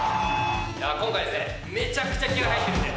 今回ね、めちゃくちゃ気合い入ってるね！